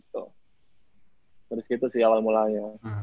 terus gitu sih awal mulanya